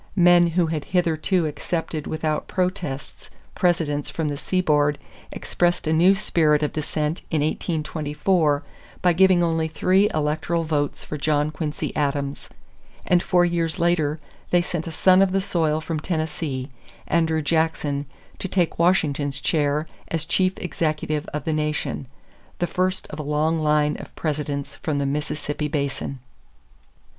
Men who had hitherto accepted without protests Presidents from the seaboard expressed a new spirit of dissent in 1824 by giving only three electoral votes for John Quincy Adams; and four years later they sent a son of the soil from Tennessee, Andrew Jackson, to take Washington's chair as chief executive of the nation the first of a long line of Presidents from the Mississippi basin.